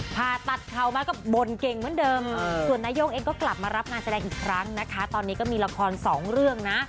ผ่าตัดเข่ามาก็บ่นเก่งเหมือนเดิมส่วนนายกเองก็กลับมารับงานแสดงอีกครั้งนะคะตอนนี้ก็มีละครสองเรื่องนะ